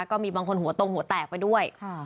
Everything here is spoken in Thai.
ก็มีบางคนหัวตรงหัวแตกไปด้วย